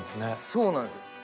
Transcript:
そうなんですよ。